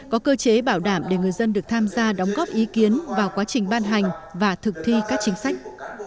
có cơ chế bảo đảm để người dân được tham gia đóng góp ý kiến vào quá trình ban hành và thực thi các chính sách